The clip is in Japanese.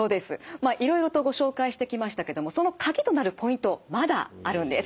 まあいろいろとご紹介してきましたけどもその鍵となるポイントまだあるんです。